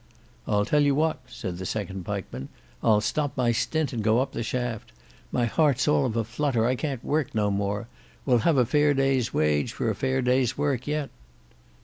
"I'll tell you what," said the second pikeman. "I'll stop my stint and go up the shaft. My heart's all of a flutter, I can't work no more. We'll have a fair day's wage for a fair day's work yet."